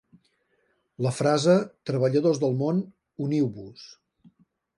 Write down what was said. La frase Treballadors del món, uniu-vos!